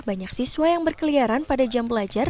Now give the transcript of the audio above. banyak siswa yang berkeliaran pada jam belajar